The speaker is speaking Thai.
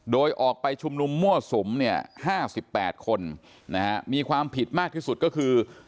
โดยออกไปชุมนุมมั่วสุมเนี่ย๕๘คนมีความผิดมากที่สุดก็คือ